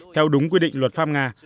theo đúng quy định luật pháp nga